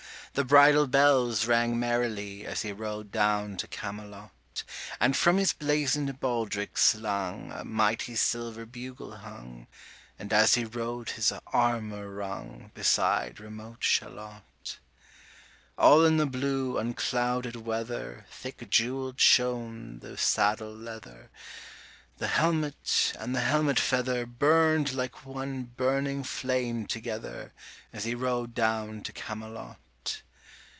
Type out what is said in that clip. The bridle bells rang merrily 85 As he rode down to Camelot: And from his blazon'd baldric slung A mighty silver bugle hung, And as he rode his armour rung, Beside remote Shalott. 90 All in the blue unclouded weather Thick jewell'd shone the saddle leather, The helmet and the helmet feather Burn'd like one burning flame together, As he rode down to Camelot.